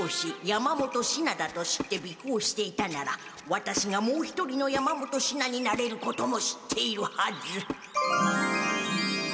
山本シナだと知ってびこうしていたならワタシがもう一人の山本シナになれることも知っているはず。